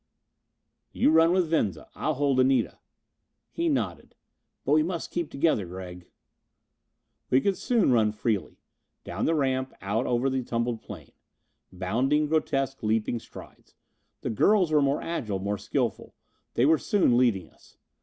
"You run with Venza. I'll hold Anita." He nodded. "But we must keep together, Gregg." We could soon run freely. Down the ramp, out over the tumbled plain. Bounding, grotesque leaping strides. The girls were more agile, more skilful. They were soon leading us.